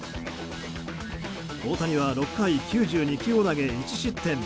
大谷は６回９２球を投げ１失点。